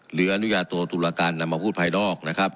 หรืออนุญาโตตุลาการนำมาพูดภายนอกนะครับ